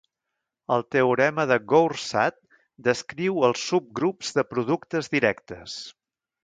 El teorema de Goursat descriu els subgrups de productes directes.